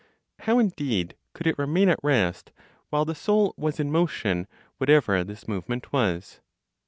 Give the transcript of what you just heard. How indeed could it remain at rest, while the Soul was in motion, whatever this movement was?